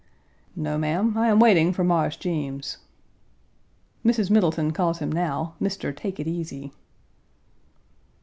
"No, ma'am. I am waiting for Mars Jeems." Mrs. Middleton calls him now, "Mr. Take it Easy."